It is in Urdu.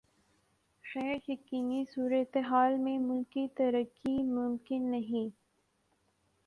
غیر یقینی صورتحال میں ملکی ترقی ممکن نہیں